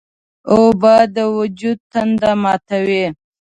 اوبه د وجود تنده ماتوي.